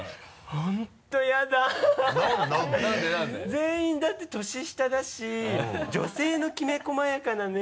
全員だって年下だし女性のきめ細やかなね